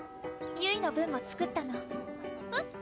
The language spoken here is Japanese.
ゆいの分も作ったのえっ？